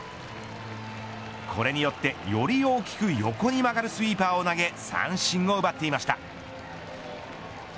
これによって、より大きく横に曲がるスイーパーを投げ三振を奪っていました。